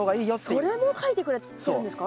それも書いてくれてるんですか？